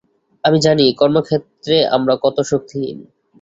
আমরা জানি, কর্মক্ষেত্রে আমরা কত শক্তিহীন।